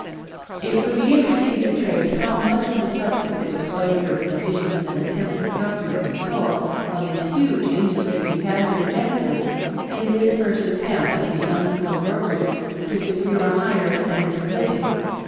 It would be interesting to trace how much of the subsequent exposure of conditions and attempts at governmental control of this huge industry had their genesis in this first attempt of the unskilled workers to secure a higher standard of living.